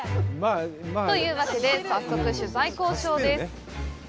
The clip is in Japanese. というわけで、早速取材交渉です。